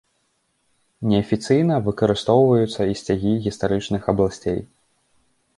Неафіцыйна выкарыстоўваюцца і сцягі гістарычных абласцей.